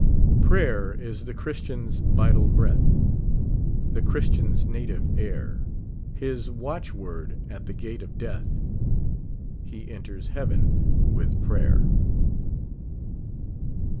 Prayer is the Christian's yital breath, The Chi'istian's native ajr ; His watch word at the gate of death, He enters heaven with prayer.